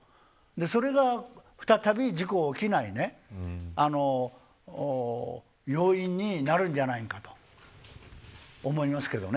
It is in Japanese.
それが、再び事故が起きない要因になるんじゃないかと思いますけどね。